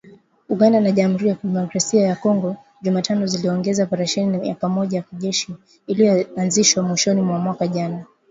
Uganda na Jamhuri ya Kidemokrasi ya Kongo Jumatano ziliongeza operesheni ya pamoja ya kijeshi iliyoanzishwa mwishoni mwa mwaka jana.